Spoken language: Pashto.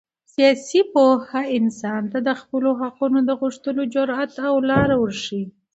سیاسي پوهه انسان ته د خپلو حقونو د غوښتلو جرات او لاره ورښیي.